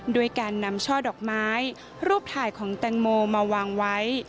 ด้วยการนำช่อดอกไม้รูปถ่ายของแตงโมมาวางไว้